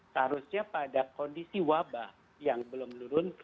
seharusnya pada kondisi wabah yang belum turun